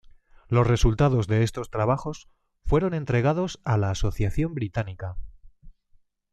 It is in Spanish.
Los resultados de estos trabajos fueron entregados a la Asociación Británica.